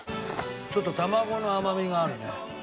ちょっと卵の甘みがあるね。